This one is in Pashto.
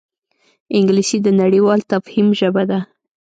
انګلیسي د نړیوال تفهیم ژبه ده